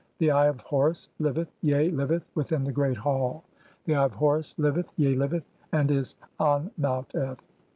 The Eye of Horus liveth, yea liveth within the great hall ; "the Eye of Horus liveth. yea liveth, and is An Maut f."